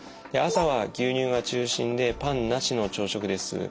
朝は牛乳が中心でパンなしの朝食です。